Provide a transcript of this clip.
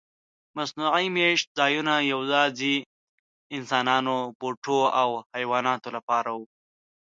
مصنوعي میشت ځایونه یواځې انسانانو، بوټو او حیواناتو لپاره و.